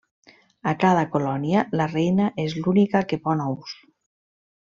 A cada colònia, la reina és l'única que pon ous.